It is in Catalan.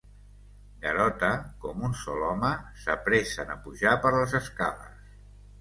Garota, com un sol home, s'apressen a pujar per les escales.